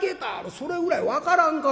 それぐらい分からんか？」。